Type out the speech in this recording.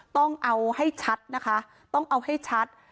ต้องเอาให้ชัดนะคะต้องเอาให้ชัด